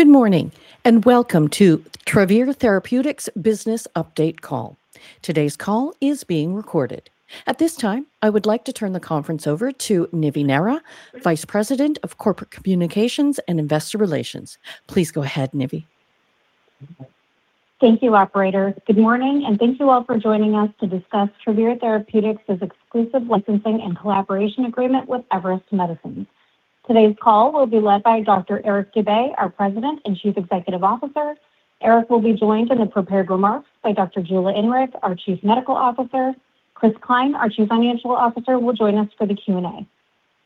Good morning, welcome to Travere Therapeutics' business update call. Today's call is being recorded. At this time, I would like to turn the conference over to Nivi Nehra, Vice President of Corporate Communications and Investor Relations. Please go ahead, Nivi. Thank you, operator. Good morning, and thank you all for joining us to discuss Travere Therapeutics' exclusive licensing and collaboration agreement with Everest Medicines. Today's call will be led by Dr. Eric Dube, our President and Chief Executive Officer. Eric will be joined in the prepared remarks by Dr. Jula Inrig, our Chief Medical Officer. Chris Cline, our Chief Financial Officer, will join us for the Q&A.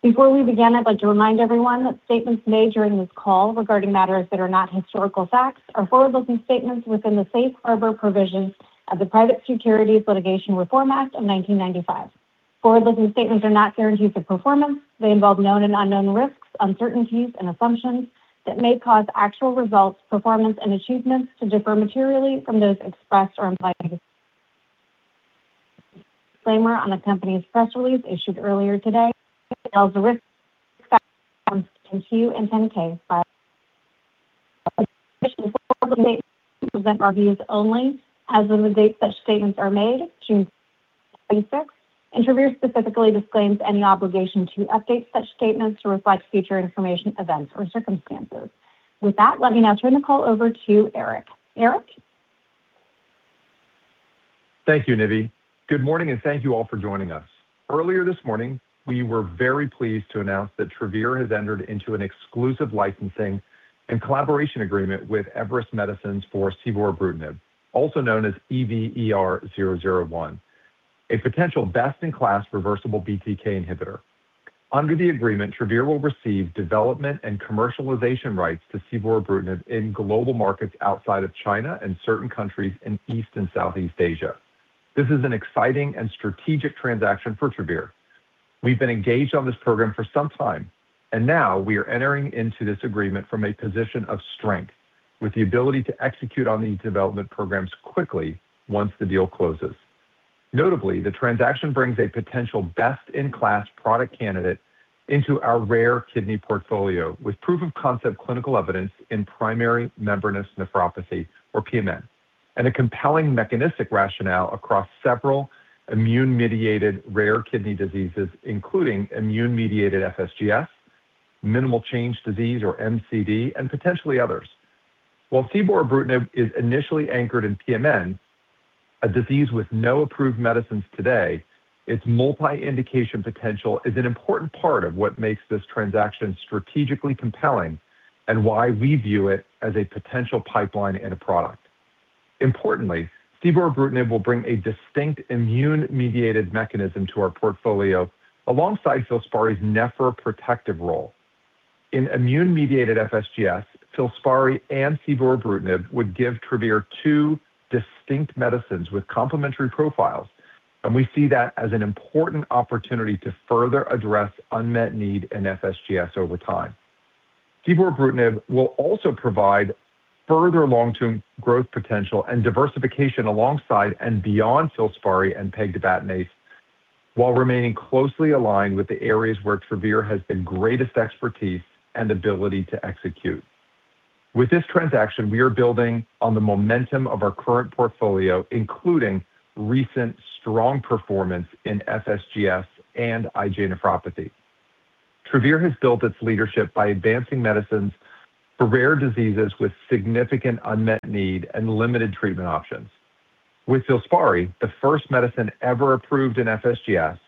Before we begin, I'd like to remind everyone that statements made during this call regarding matters that are not historical facts are forward-looking statements within the safe harbor provisions of the Private Securities Litigation Reform Act of 1995. Forward-looking statements are not guarantees of performance. They involve known and unknown risks, uncertainties, and assumptions that may cause actual results, performance, and achievements to differ materially from those expressed or implied. Disclaimer on the company's press release issued earlier today, and 10-K present our views only as of the date such statements are made, and Travere specifically disclaims any obligation to update such statements to reflect future information, events, or circumstances. With that, let me now turn the call over to Eric. Eric? Thank you, Nivi. Good morning, and thank you all for joining us. Earlier this morning, we were very pleased to announce that Travere has entered into an exclusive licensing and collaboration agreement with Everest Medicines for civorebrutinib, also known as EVER001, a potential best-in-class reversible BTK inhibitor. Under the agreement, Travere will receive development and commercialization rights to civorebrutinib in global markets outside of China and certain countries in East and Southeast Asia. This is an exciting and strategic transaction for Travere. We've been engaged on this program for some time, and now we are entering into this agreement from a position of strength with the ability to execute on these development programs quickly once the deal closes. Notably, the transaction brings a potential best-in-class product candidate into our rare kidney portfolio, with proof of concept clinical evidence in primary membranous nephropathy, or PMN, and a compelling mechanistic rationale across several immune-mediated rare kidney diseases, including immune-mediated FSGS, minimal change disease or MCD, and potentially others. While civorebrutinib is initially anchored in PMN, a disease with no approved medicines today, its multi-indication potential is an important part of what makes this transaction strategically compelling and why we view it as a potential pipeline and a product. Importantly, civorebrutinib will bring a distinct immune-mediated mechanism to our portfolio alongside FILSPARI nephroprotective role. In immune-mediated FSGS, FILSPARI and civorebrutinib would give Travere two distinct medicines with complementary profiles, and we see that as an important opportunity to further address unmet need in FSGS over time. Cevobrutinib will also provide further long-term growth potential and diversification alongside and beyond FILSPARI and pegtibatinase while remaining closely aligned with the areas where Travere has the greatest expertise and ability to execute. With this transaction, we are building on the momentum of our current portfolio, including recent strong performance in FSGS and IgA nephropathy. Travere has built its leadership by advancing medicines for rare diseases with significant unmet need and limited treatment options. With FILSPARI, the first medicine ever approved in FSGS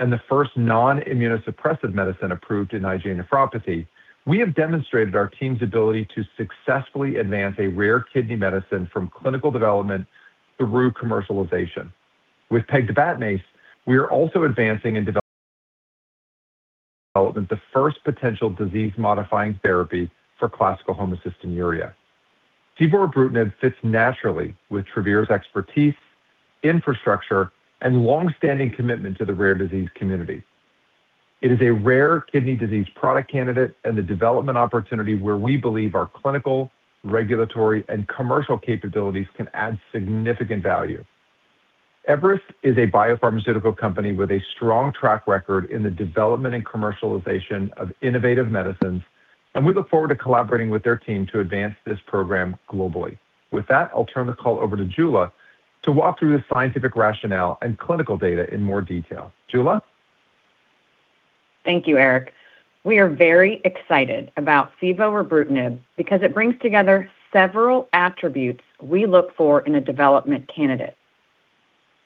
and the first non-immunosuppressive medicine approved in IgA nephropathy, we have demonstrated our team's ability to successfully advance a rare kidney medicine from clinical development through commercialization. With pegtibatinase, we are also advancing and developing the first potential disease-modifying therapy for classical homocystinuria. Cevobrutinib fits naturally with Travere's expertise, infrastructure, and longstanding commitment to the rare disease community. It is a rare kidney disease product candidate and a development opportunity where we believe our clinical, regulatory, and commercial capabilities can add significant value. Everest is a biopharmaceutical company with a strong track record in the development and commercialization of innovative medicines. We look forward to collaborating with their team to advance this program globally. With that, I'll turn the call over to Jula to walk through the scientific rationale and clinical data in more detail. Jula? Thank you, Eric. We are very excited about civorebrutinib because it brings together several attributes we look for in a development candidate.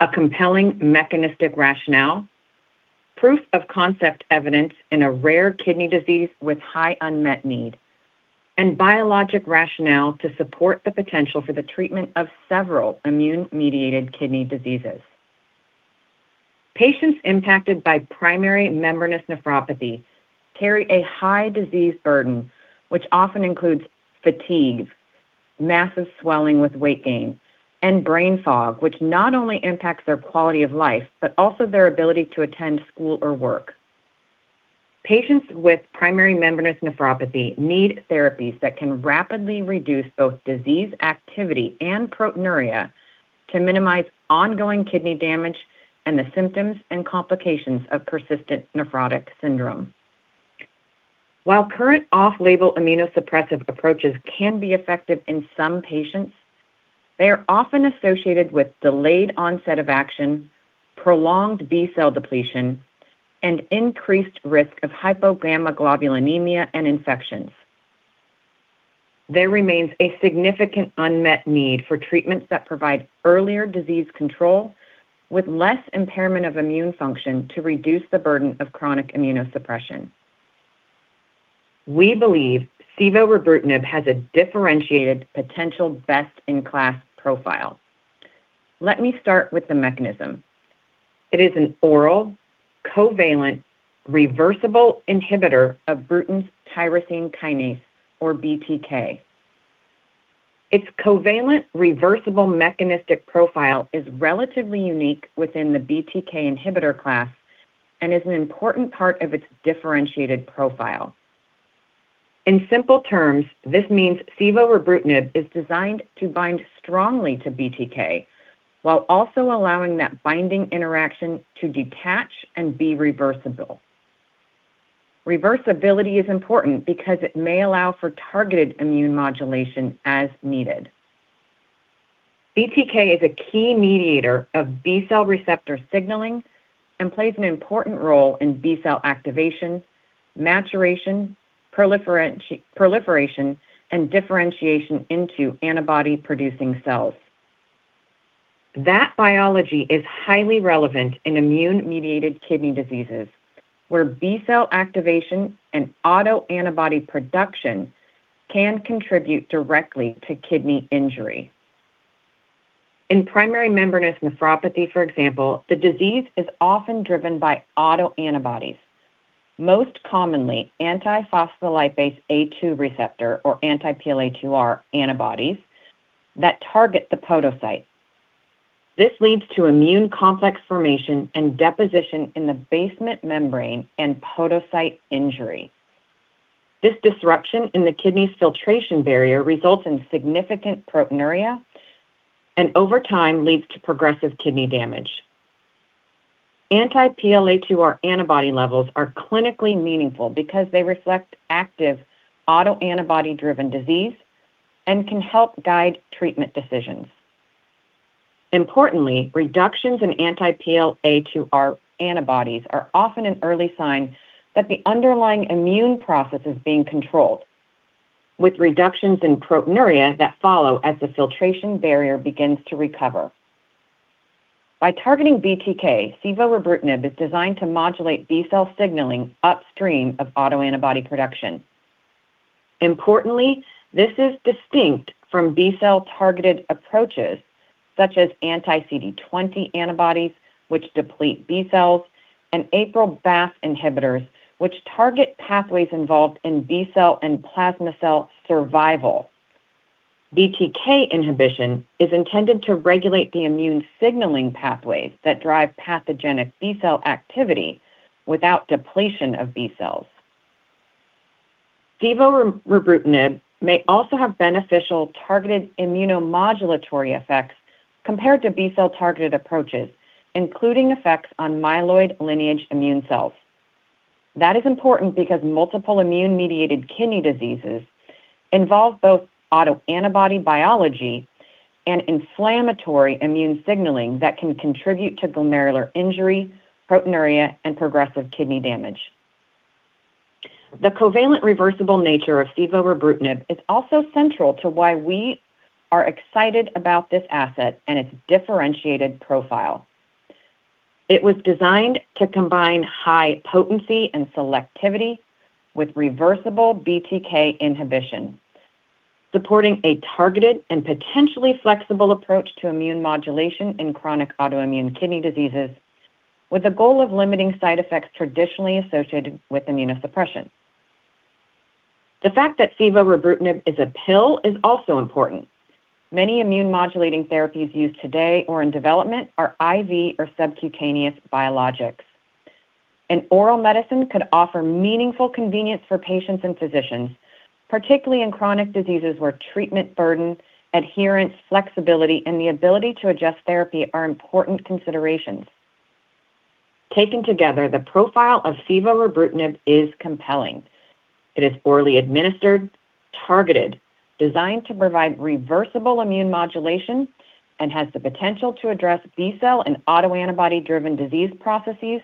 A compelling mechanistic rationale, proof of concept evidence in a rare kidney disease with high unmet need, and biologic rationale to support the potential for the treatment of several immune-mediated kidney diseases. Patients impacted by primary membranous nephropathy carry a high disease burden, which often includes fatigue, massive swelling with weight gain, and brain fog, which not only impacts their quality of life but also their ability to attend school or work. Patients with primary membranous nephropathy need therapies that can rapidly reduce both disease activity and proteinuria to minimize ongoing kidney damage and the symptoms and complications of persistent nephrotic syndrome. While current off-label immunosuppressive approaches can be effective in some patients, they are often associated with delayed onset of action, prolonged B-cell depletion, and increased risk of hypogammaglobulinemia and infections. There remains a significant unmet need for treatments that provide earlier disease control with less impairment of immune function to reduce the burden of chronic immunosuppression. We believe civorebrutinib has a differentiated potential best-in-class profile. Let me start with the mechanism. It is an oral covalent reversible inhibitor of Bruton's tyrosine kinase, or BTK. Its covalent reversible mechanistic profile is relatively unique within the BTK inhibitor class and is an important part of its differentiated profile. In simple terms, this means civorebrutinib is designed to bind strongly to BTK while also allowing that binding interaction to detach and be reversible. Reversibility is important because it may allow for targeted immune modulation as needed. BTK is a key mediator of B-cell receptor signaling and plays an important role in B-cell activation, maturation, proliferation, and differentiation into antibody-producing cells. That biology is highly relevant in immune-mediated kidney diseases, where B-cell activation and autoantibody production can contribute directly to kidney injury. In primary membranous nephropathy, for example, the disease is often driven by autoantibodies, most commonly anti-phospholipase A2 receptor, or anti-PLA2R, antibodies that target the podocyte. This leads to immune complex formation and deposition in the basement membrane and podocyte injury. This disruption in the kidney's filtration barrier results in significant proteinuria and over time leads to progressive kidney damage. Anti-PLA2R antibody levels are clinically meaningful because they reflect active autoantibody-driven disease and can help guide treatment decisions. Importantly, reductions in anti-PLA2R antibodies are often an early sign that the underlying immune process is being controlled, with reductions in proteinuria that follow as the filtration barrier begins to recover. By targeting BTK, civorebrutinib is designed to modulate B-cell signaling upstream of autoantibody production. Importantly, this is distinct from B-cell-targeted approaches such as anti-CD20 antibodies, which deplete B cells, and APRIL/BAFF inhibitors, which target pathways involved in B-cell and plasma cell survival. BTK inhibition is intended to regulate the immune signaling pathways that drive pathogenic B-cell activity without depletion of B cells. civorebrutinib may also have beneficial targeted immunomodulatory effects compared to B-cell-targeted approaches, including effects on myeloid lineage immune cells. That is important because multiple immune-mediated kidney diseases involve both autoantibody biology and inflammatory immune signaling that can contribute to glomerular injury, proteinuria, and progressive kidney damage. The covalent reversible nature of civorebrutinib is also central to why we are excited about this asset and its differentiated profile. It was designed to combine high potency and selectivity with reversible BTK inhibition, supporting a targeted and potentially flexible approach to immune modulation in chronic autoimmune kidney diseases with the goal of limiting side effects traditionally associated with immunosuppression. The fact that civorebrutinib is a pill is also important. Many immune-modulating therapies used today or in development are IV or subcutaneous biologics. An oral medicine could offer meaningful convenience for patients and physicians, particularly in chronic diseases where treatment burden, adherence, flexibility, and the ability to adjust therapy are important considerations. Taken together, the profile of civorebrutinib is compelling. It is orally administered, targeted, designed to provide reversible immune modulation, and has the potential to address B-cell and autoantibody-driven disease processes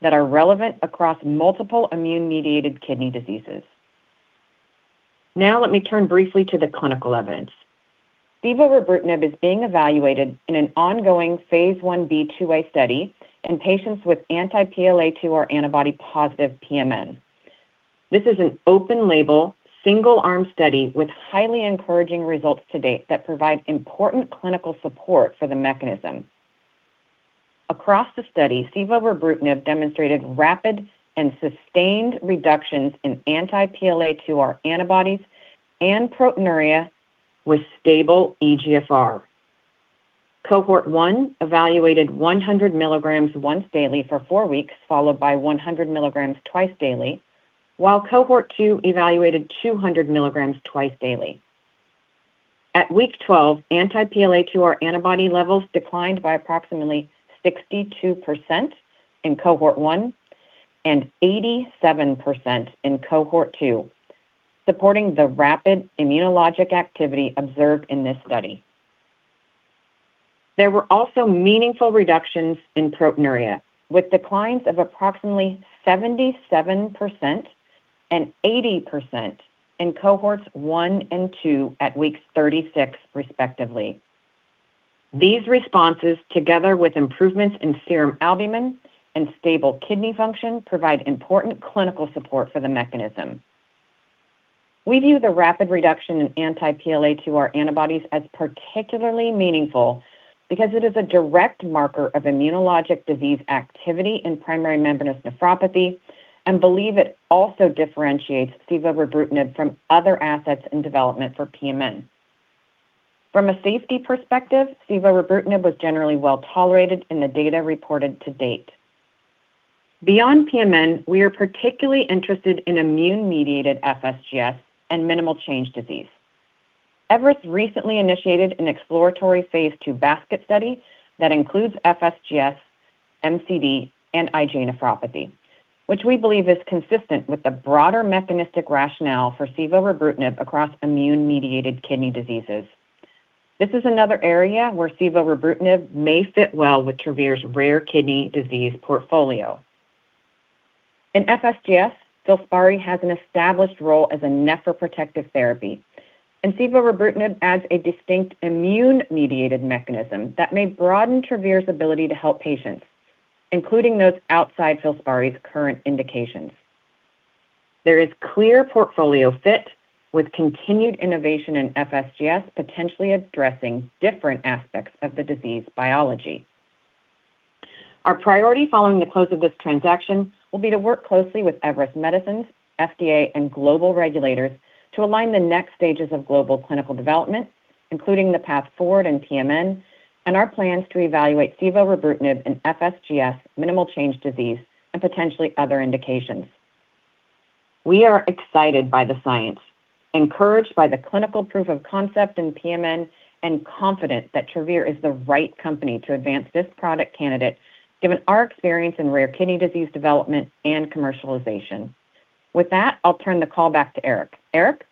that are relevant across multiple immune-mediated kidney diseases. Let me turn briefly to the clinical evidence. civorebrutinib is being evaluated in an ongoing phase I-B/II-A study in patients with anti-PLA2R antibody positive PMN. This is an open-label, single-arm study with highly encouraging results to date that provide important clinical support for the mechanism. Across the study, civorebrutinib demonstrated rapid and sustained reductions in anti-PLA2R antibodies and proteinuria with stable eGFR. Cohort one evaluated 100 milligrams once daily for four weeks, followed by 100 milligrams twice daily, while Cohort two evaluated 200 milligrams twice daily. At week 12, anti-PLA2R antibody levels declined by approximately 62% in Cohort 1 and 87% in Cohort two, supporting the rapid immunologic activity observed in this study. There were also meaningful reductions in proteinuria, with declines of approximately 77% and 80% in Cohorts one and two at weeks 36, respectively. These responses, together with improvements in serum albumin and stable kidney function, provide important clinical support for the mechanism. We view the rapid reduction in anti-PLA2R antibodies as particularly meaningful because it is a direct marker of immunologic disease activity in primary membranous nephropathy and believe it also differentiates civorebrutinib from other assets in development for PMN. From a safety perspective, civorebrutinib was generally well-tolerated in the data reported to date. Beyond PMN, we are particularly interested in immune-mediated FSGS and minimal change disease. Everest recently initiated an exploratory phase II basket study that includes FSGS, MCD, and IgA nephropathy, which we believe is consistent with the broader mechanistic rationale for civorebrutinib across immune-mediated kidney diseases. This is another area where civorebrutinib may fit well with Travere's rare kidney disease portfolio. In FSGS, FILSPARI has an established role as a nephroprotective therapy, and civorebrutinib adds a distinct immune-mediated mechanism that may broaden Travere's ability to help patients, including those outside FILSPARI's current indications. There is clear portfolio fit with continued innovation in FSGS, potentially addressing different aspects of the disease biology. Our priority following the close of this transaction will be to work closely with Everest Medicines, FDA, and global regulators to align the next stages of global clinical development, including the path forward in PMN and our plans to evaluate civorebrutinib in FSGS minimal change disease and potentially other indications. We are excited by the science, encouraged by the clinical proof of concept in PMN, and confident that Travere is the right company to advance this product candidate given our experience in rare kidney disease development and commercialization. With that, I'll turn the call back to Eric. Eric?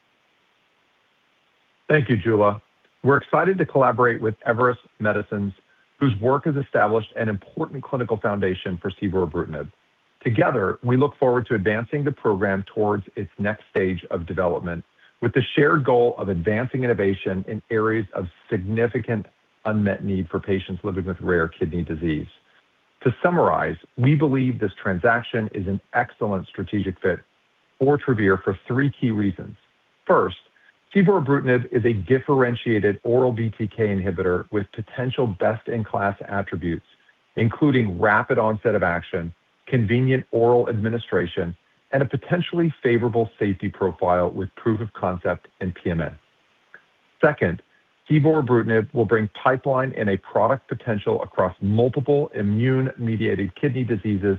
Thank you, Jula. We're excited to collaborate with Everest Medicines, whose work has established an important clinical foundation for civorebrutinib. Together, we look forward to advancing the program towards its next stage of development, with the shared goal of advancing innovation in areas of significant unmet need for patients living with rare kidney disease. To summarize, we believe this transaction is an excellent strategic fit for Travere for three key reasons. First, civorebrutinib is a differentiated oral BTK inhibitor with potential best-in-class attributes, including rapid onset of action, convenient oral administration, and a potentially favorable safety profile with proof of concept in PMN. Second, civorebrutinib will bring pipeline and a product potential across multiple immune-mediated kidney diseases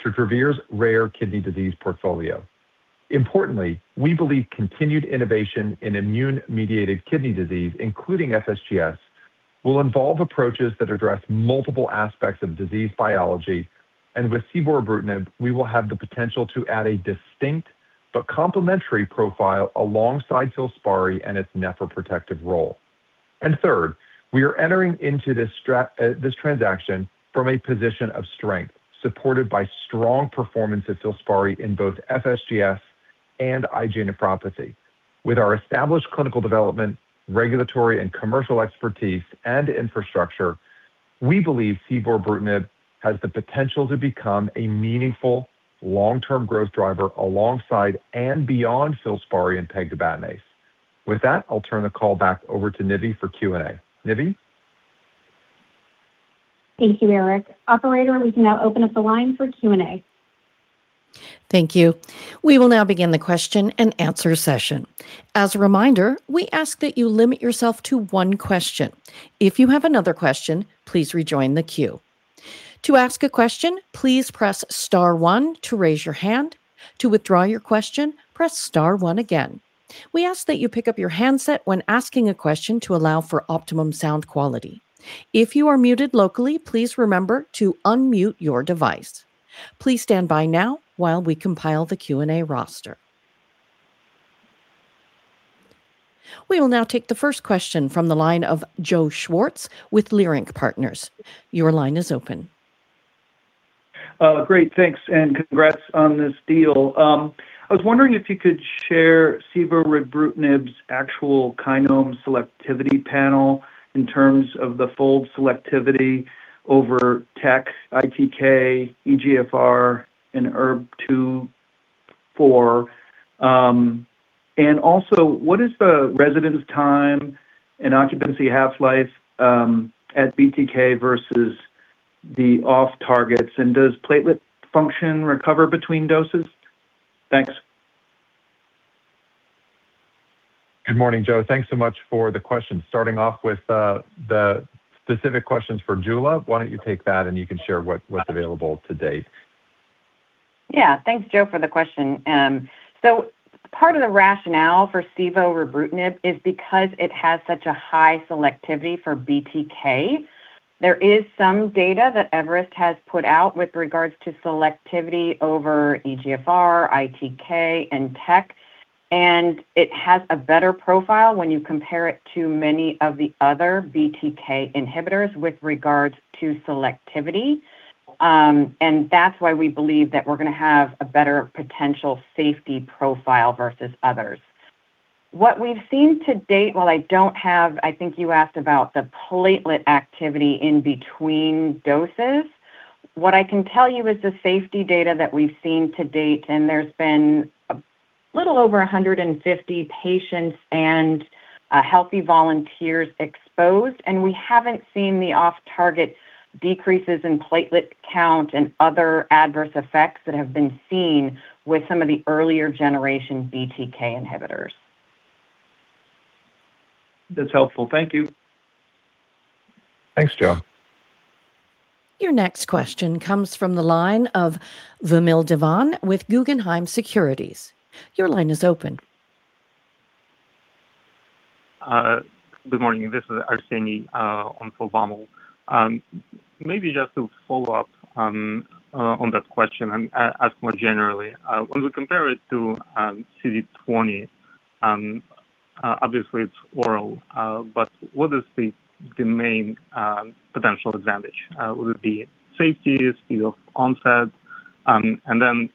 to Travere's rare kidney disease portfolio. Importantly, we believe continued innovation in immune-mediated kidney disease, including FSGS, will involve approaches that address multiple aspects of disease biology. With civorebrutinib, we will have the potential to add a distinct but complementary profile alongside FILSPARI and its nephroprotective role. Third, we are entering into this transaction from a position of strength, supported by strong performance of FILSPARI in both FSGS and IgA nephropathy. With our established clinical development, regulatory and commercial expertise, and infrastructure, we believe civorebrutinib has the potential to become a meaningful, long-term growth driver alongside and beyond FILSPARI and pegtibatinase. With that, I'll turn the call back over to Nivi for Q&A. Nivi? Thank you, Eric. Operator, we can now open up the line for Q&A. Thank you. We will now begin the question and answer session. As a reminder, we ask that you limit yourself to one question. If you have another question, please rejoin the queue. To ask a question, please press star one to raise your hand. To withdraw your question, press star one again. We ask that you pick up your handset when asking a question to allow for optimum sound quality. If you are muted locally, please remember to unmute your device. Please stand by now while we compile the Q&A roster. We will now take the first question from the line of Joseph Schwartz with Leerink Partners. Your line is open. Great. Thanks. Congrats on this deal. I was wondering if you could share civorebrutinib's actual kinome selectivity panel in terms of the fold selectivity over TEC, ITK, EGFR, and ERBB2, four. Also, what is the residence time and occupancy half-life at BTK versus the off targets, and does platelet function recover between doses? Thanks. Good morning, Joe. Thanks so much for the question. Starting off with the specific questions for Jula, why don't you take that, and you can share what's available to date? Yeah. Thanks, Joe, for the question. Part of the rationale for civorebrutinib is because it has such a high selectivity for BTK. There is some data that Everest has put out with regards to selectivity over EGFR, ITK, and TEC, and it has a better profile when you compare it to many of the other BTK inhibitors with regards to selectivity. That's why we believe that we're going to have a better potential safety profile versus others. What we've seen to date, while I don't think you asked about the platelet activity in between doses. What I can tell you is the safety data that we've seen to date, and there's been a little over 150 patients and healthy volunteers exposed, and we haven't seen the off-target decreases in platelet count and other adverse effects that have been seen with some of the earlier generation BTK inhibitors. That's helpful. Thank you. Thanks, Joe. Your next question comes from the line of Vamil Divan with Guggenheim Securities. Your line is open. Good morning. This is Arseniy on for Vamil. Maybe just to follow up on that question and ask more generally. When we compare it to CD20, obviously it's oral, but what is the main potential advantage? Would it be safety, speed of onset? Then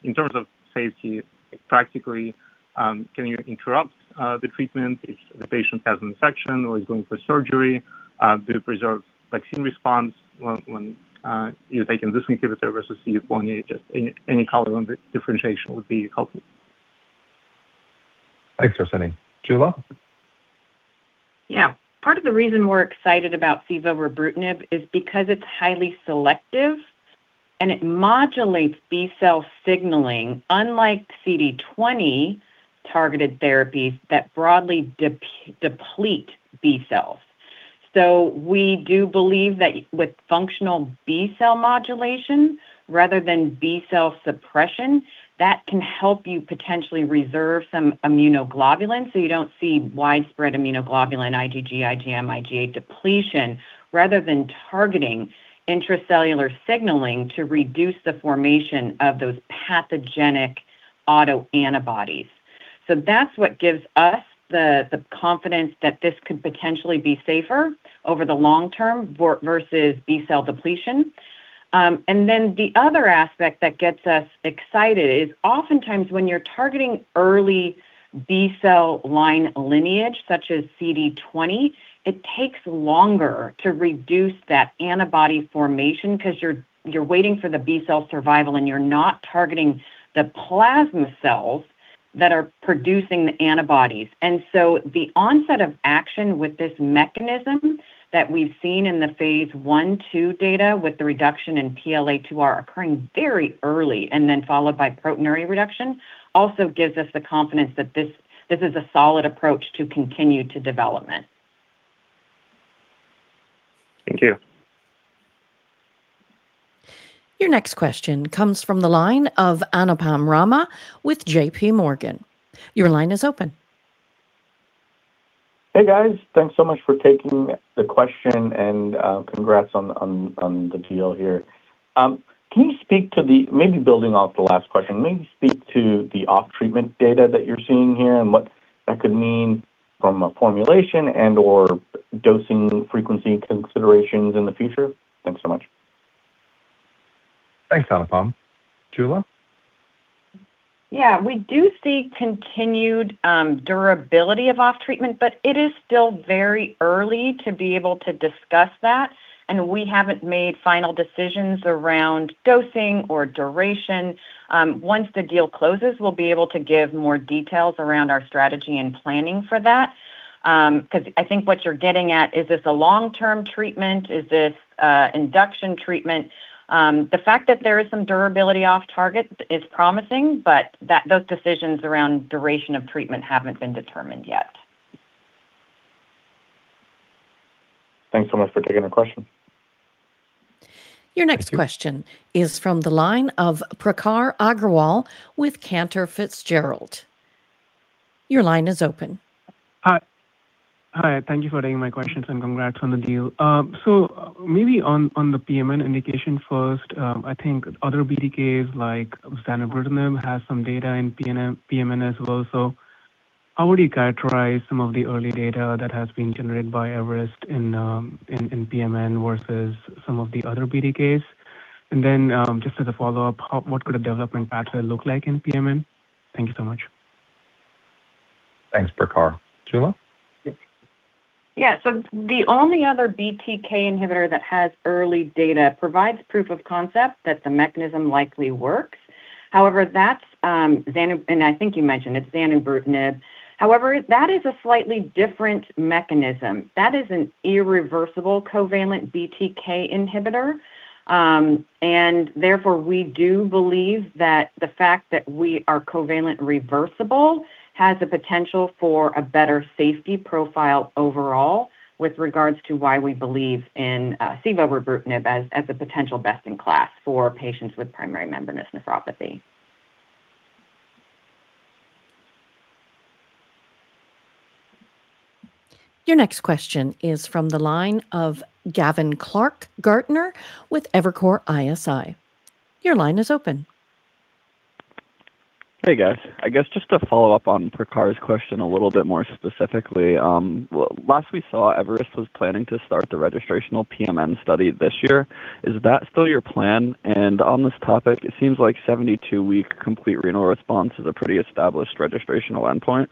in terms of safety, practically, can you interrupt the treatment if the patient has an infection or is going for surgery? Do you preserve vaccine response when you're taking this inhibitor versus CD20? Just any color on the differentiation would be helpful. Thanks, Arseniy. Jula? Yeah. Part of the reason we're excited about civorebrutinib is because it's highly selective and it modulates B-cell signaling, unlike CD20-targeted therapies that broadly deplete B cells. We do believe that with functional B-cell modulation rather than B-cell suppression, that can help you potentially reserve some immunoglobulin so you don't see widespread immunoglobulin, IgG, IgM, IgA depletion, rather than targeting intracellular signaling to reduce the formation of those pathogenic autoantibodies. That's what gives us the confidence that this could potentially be safer over the long term versus B-cell depletion. Then the other aspect that gets us excited is oftentimes when you're targeting early B-cell line lineage, such as CD20, it takes longer to reduce that antibody formation because you're waiting for the B-cell survival and you're not targeting the plasma cells that are producing the antibodies. The onset of action with this mechanism that we've seen in the phase I/II data with the reduction in PLA2R occurring very early and then followed by proteinuria reduction also gives us the confidence that this is a solid approach to continue to development. Thank you. Your next question comes from the line of Anupam Rama with J.P. Morgan. Your line is open. Hey, guys. Thanks so much for taking the question and congrats on the deal here. Maybe building off the last question, can you speak to the off-treatment data that you're seeing here and what that could mean from a formulation and/or dosing frequency considerations in the future? Thanks so much. Thanks, Anupam. Jula? Yeah. We do see continued durability of off-treatment. It is still very early to be able to discuss that. We haven't made final decisions around dosing or duration. Once the deal closes, we'll be able to give more details around our strategy and planning for that. I think what you're getting at, is this a long-term treatment? Is this induction treatment? The fact that there is some durability off-target is promising. Those decisions around duration of treatment haven't been determined yet. Thanks so much for taking the question. Your next question is from the line of Prakhar Agarwal with Cantor Fitzgerald. Your line is open. Hi, thank you for taking my questions and congrats on the deal. Maybe on the PMN indication first, I think other BTKs like zanubrutinib has some data in PMN as well. Just as a follow-up, what could a development pathway look like in PMN? Thank you so much. Thanks, Prakhar. Jula? Yeah. The only other BTK inhibitor that has early data provides proof of concept that the mechanism likely works. I think you mentioned, it's zanubrutinib. That is a slightly different mechanism. That is an irreversible covalent BTK inhibitor. We do believe that the fact that we are covalent reversible has the potential for a better safety profile overall with regards to why we believe in civorebrutinib as a potential best-in-class for patients with primary membranous nephropathy. Your next question is from the line of Gavin Clark-Gartner with Evercore ISI. Your line is open. Hey, guys. I guess just to follow up on Prakhar Agarwal's question a little bit more specifically. Last we saw, Everest Medicines was planning to start the registrational PMN study this year. Is that still your plan? On this topic, it seems like 72-week complete renal response is a pretty established registrational endpoint,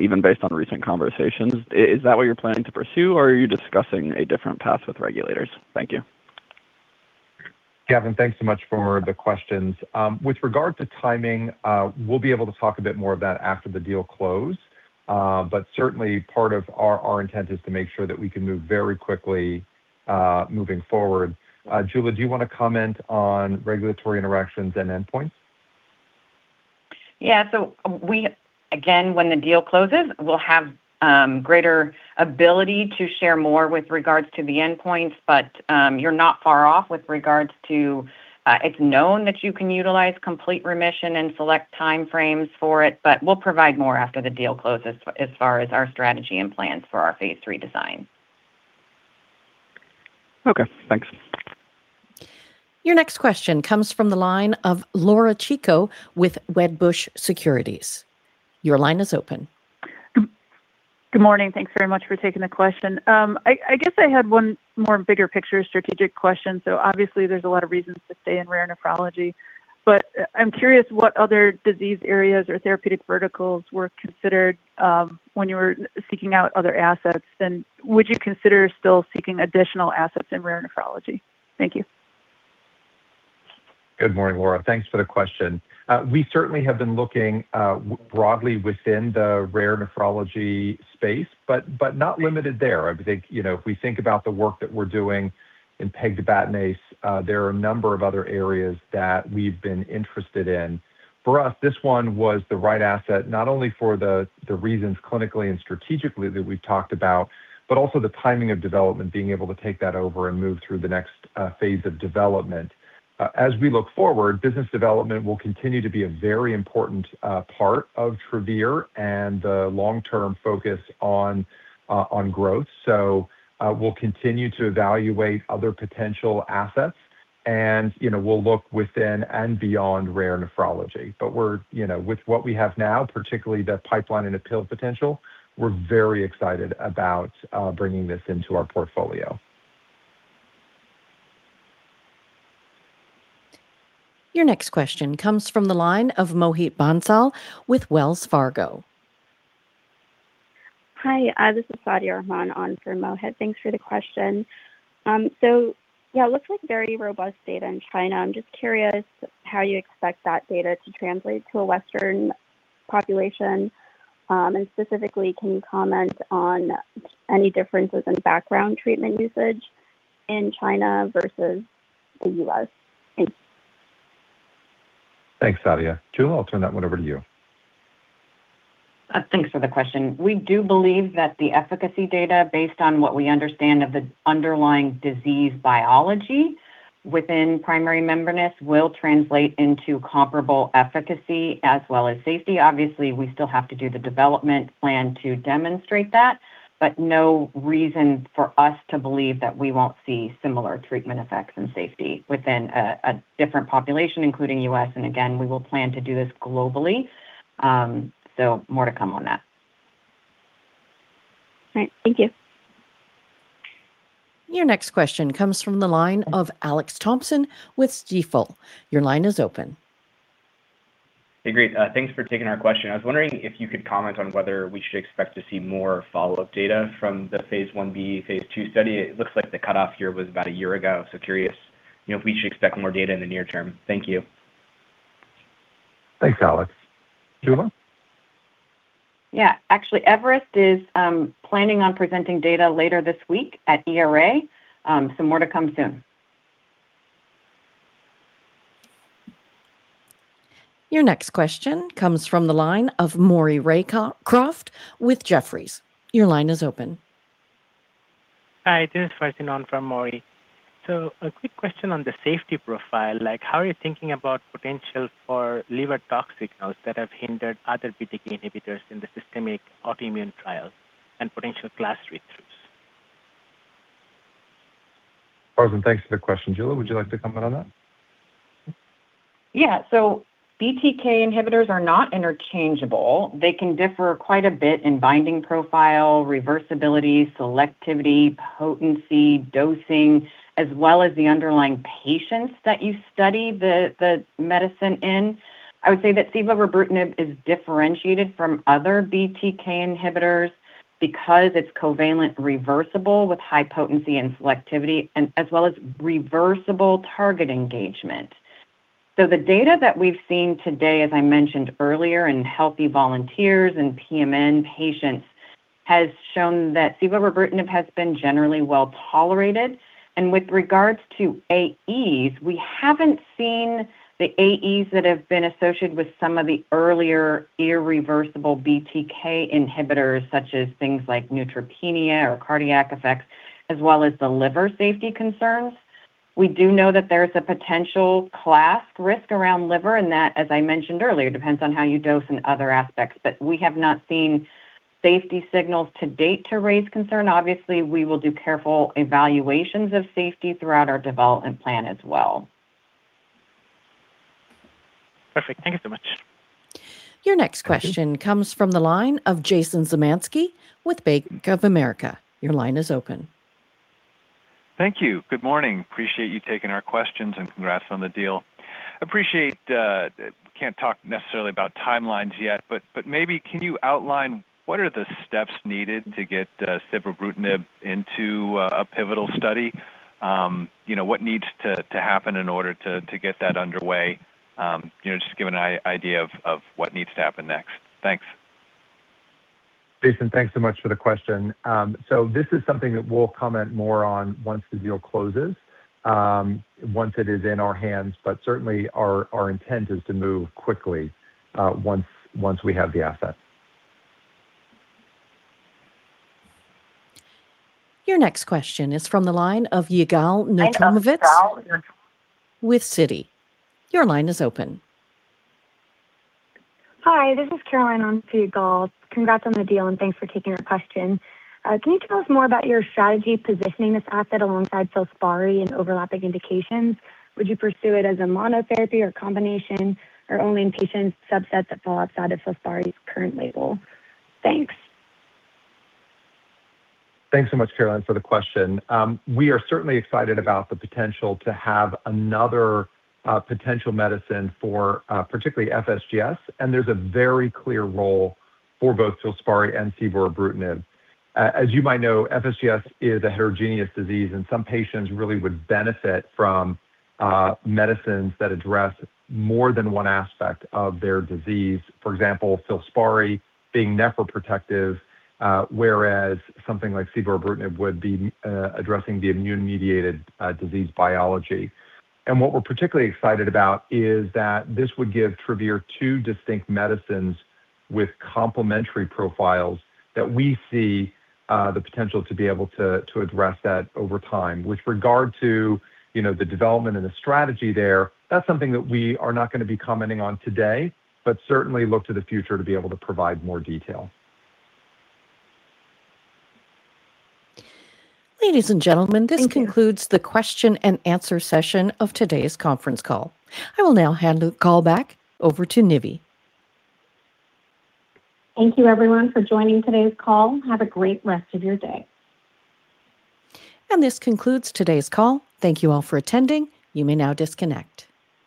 even based on recent conversations. Is that what you're planning to pursue, or are you discussing a different path with regulators? Thank you. Gavin, thanks so much for the questions. With regard to timing, we'll be able to talk a bit more of that after the deal closed. Certainly part of our intent is to make sure that we can move very quickly, moving forward. Jula, do you want to comment on regulatory interactions and endpoints? Yeah. Again, when the deal closes, we'll have greater ability to share more with regards to the endpoints, but you're not far off with regards to it's known that you can utilize complete remission and select time frames for it, but we'll provide more after the deal closes as far as our strategy and plans for our phase III design. Okay. Thanks. Your next question comes from the line of Laura Chico with Wedbush Securities. Your line is open. Good morning. Thanks very much for taking the question. I guess I had one more bigger picture strategic question. Obviously there's a lot of reasons to stay in rare nephrology, but I'm curious what other disease areas or therapeutic verticals were considered, when you were seeking out other assets, and would you consider still seeking additional assets in rare nephrology? Thank you. Good morning, Laura. Thanks for the question. We certainly have been looking broadly within the rare nephrology space, but not limited there. If we think about the work that we're doing in pegtibatinase, there are a number of other areas that we've been interested in. For us, this one was the right asset, not only for the reasons clinically and strategically that we've talked about, but also the timing of development, being able to take that over and move through the next phase of development. We'll continue to evaluate other potential assets, and we'll look within and beyond rare nephrology. With what we have now, particularly the pipeline and uphill potential, we're very excited about bringing this into our portfolio. Your next question comes from the line of Mohit Bansal with Wells Fargo. Hi, this is Sadia Rahman on for Mohit. Thanks for the question. Yeah, it looks like very robust data in China. I'm just curious how you expect that data to translate to a Western population. Specifically, can you comment on any differences in background treatment usage in China versus the U.S.? Thanks. Thanks, Sadia. Jula, I'll turn that one over to you. Thanks for the question. We do believe that the efficacy data, based on what we understand of the underlying disease biology within primary membranous, will translate into comparable efficacy as well as safety. Obviously, we still have to do the development plan to demonstrate that, but no reason for us to believe that we won't see similar treatment effects and safety within a different population, including U.S. Again, we will plan to do this globally. More to come on that. All right. Thank you. Your next question comes from the line of Alex Thompson with Stifel. Your line is open. Hey, great. Thanks for taking our question. I was wondering if you could comment on whether we should expect to see more follow-up data from the phase I-B/II study. It looks like the cutoff here was about a year ago. Curious if we should expect more data in the near term. Thank you. Thanks, Alex. Jula? Actually, Everest is planning on presenting data later this week at ERA. More to come soon. Your next question comes from the line of Maury Raycroft with Jefferies. Your line is open. Hi, this is Farzan on from Maury. A quick question on the safety profile. How are you thinking about potential for liver toxic notes that have hindered other BTK inhibitors in the systemic autoimmune trial and potential class read-throughs? Farzan, thanks for the question. Jula, would you like to comment on that? BTK inhibitors are not interchangeable. They can differ quite a bit in binding profile, reversibility, selectivity, potency, dosing, as well as the underlying patients that you study the medicine in. I would say that cevobrutinib is differentiated from other BTK inhibitors because it's covalent reversible with high potency and selectivity, as well as reversible target engagement. The data that we've seen today, as I mentioned earlier, in healthy volunteers and PMN patients, has shown that cevobrutinib has been generally well-tolerated. With regards to AEs, we haven't seen the AEs that have been associated with some of the earlier irreversible BTK inhibitors, such as things like neutropenia or cardiac effects, as well as the liver safety concerns. We do know that there's a potential class risk around liver, and that, as I mentioned earlier, depends on how you dose and other aspects. We have not seen safety signals to date to raise concern. Obviously, we will do careful evaluations of safety throughout our development plan as well. Perfect. Thank you so much. Your next question comes from the line of Jason Zemansky with Bank of America. Your line is open. Thank you. Good morning. Appreciate you taking our questions, congrats on the deal. Appreciate that can't talk necessarily about timelines yet, maybe can you outline what are the steps needed to get civorebrutinib into a pivotal study? What needs to happen in order to get that underway? Just give an idea of what needs to happen next. Thanks. Jason, thanks so much for the question. This is something that we'll comment more on once the deal closes, once it is in our hands. Certainly our intent is to move quickly once we have the asset. Your next question is from the line of Yigal Nochomovitz with Citi. Your line is open. Hi, this is Caroline on for Yigal. Congrats on the deal, and thanks for taking our question. Can you tell us more about your strategy positioning this asset alongside FILSPARI in overlapping indications? Would you pursue it as a monotherapy or combination, or only in patient subsets that fall outside of FILSPARI's current label? Thanks. Thanks so much, Caroline, for the question. We are certainly excited about the potential to have another potential medicine for particularly FSGS, and there's a very clear role for both FILSPARI and civorebrutinib. As you might know, FSGS is a heterogeneous disease, and some patients really would benefit from medicines that address more than one aspect of their disease. For example, FILSPARI being nephroprotective, whereas something like civorebrutinib would be addressing the immune-mediated disease biology. What we're particularly excited about is that this would give Travere two distinct medicines with complementary profiles that we see the potential to be able to address that over time. With regard to the development and the strategy there, that's something that we are not going to be commenting on today, but certainly look to the future to be able to provide more detail. Ladies and gentlemen. Thank you. This concludes the question and answer session of today's conference call. I will now hand the call back over to Nivi. Thank you everyone for joining today's call. Have a great rest of your day. This concludes today's call. Thank you all for attending. You may now disconnect.